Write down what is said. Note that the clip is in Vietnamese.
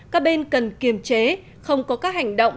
các bên cần kiềm chế không có các hành động